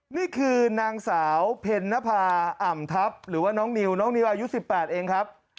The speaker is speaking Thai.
นี่คือนางสาวเพ็ญนภาอ่ำทัพหรือว่าน้องนิวน้องนิวอายุ๑๘เองครับ